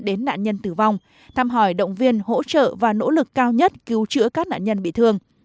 đến nạn nhân tử vong thăm hỏi động viên hỗ trợ và nỗ lực cao nhất cứu chữa các nạn nhân bị thương